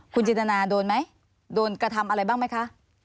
คุณจินตนาโดนไหมโดนกระทำอะไรบ้างไหมคะ